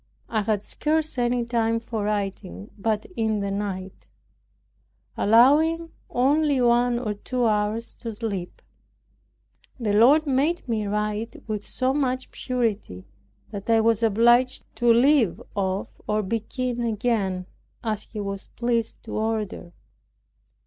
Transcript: I had scarce any time for writing but in the night, allowing only one or two hours to sleep. The Lord made me write with so much purity, that I was obliged to leave off or begin again, as He was pleased to order.